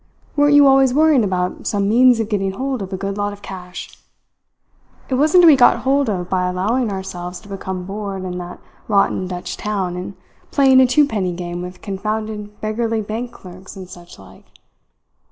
Weren't you always worrying about some means of getting hold of a good lot of cash? It wasn't to be got hold of by allowing yourself to become bored in that rotten Dutch town and playing a two penny game with confounded beggarly bank clerks and such like.